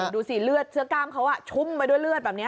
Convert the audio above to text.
ดูสิเลือดเสื้อกล้ามเขาชุ่มไปด้วยเลือดแบบนี้